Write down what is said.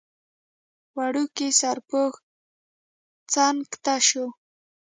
وړوکی سرپوښ څنګ ته شو.